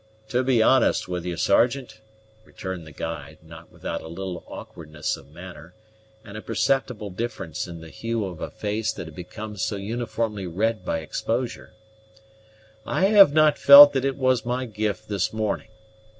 "To be honest with you, Sergeant," returned the guide, not without a little awkwardness of manner, and a perceptible difference in the hue of a face that had become so uniformly red by exposure, "I have not felt that it was my gift this morning.